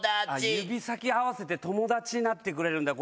指先合わせて友達になってくれるんだよ。